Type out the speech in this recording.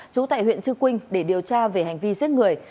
chú tại huyện trư quynh để điều tra về hành vi giết người